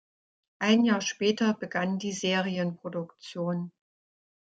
Ein Jahr später begann die Serienproduktion.